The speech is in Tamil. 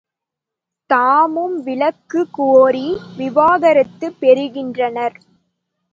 தாமும் விலக்குக் கோரி விவாகரத்துப் பெறுகின்றனர்.